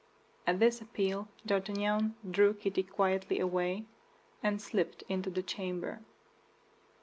At this appeal D'Artagnan drew Kitty quietly away, and slipped into the chamber.